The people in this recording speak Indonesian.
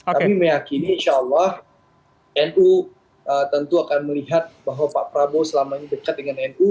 kami meyakini insya allah nu tentu akan melihat bahwa pak prabowo selama ini dekat dengan nu